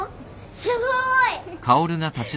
すごい。